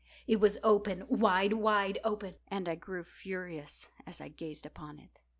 It was open—wide, wide open—and I grew furious as I gazed upon it.